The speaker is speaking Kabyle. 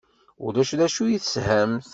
Ulac d acu i teshamt?